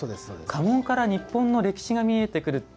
家紋から日本の歴史が見えてくる。